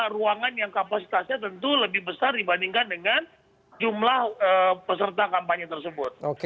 ruangan yang kapasitasnya tentu lebih besar dibandingkan dengan jumlah peserta kampanye tersebut